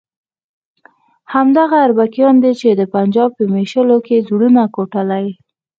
همدغه اربکیان دي چې د پنجاب په ملیشو کې زړونه کوټلي.